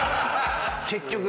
結局。